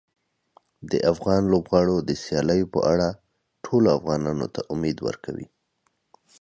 د افغان لوبغاړو د سیالیو په اړه ټولو افغانانو ته امید ورکوي.